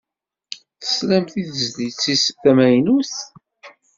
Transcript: Teslamt i tezlit-is tamaynut?